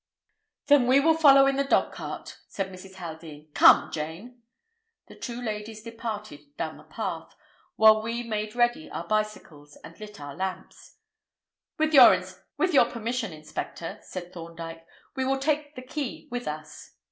"Then we will follow in the dogcart," said Mrs. Haldean. "Come, Jane." The two ladies departed down the path, while we made ready our bicycles and lit our lamps. "With your permission, inspector," said Thorndyke, "we will take the key with us."